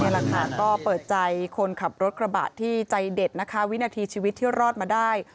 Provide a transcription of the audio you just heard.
แหละค่ะก็เปิดใจคนขับรถกระบะที่ใจเด็ดนะคะวินาทีชีวิตที่รอดมาได้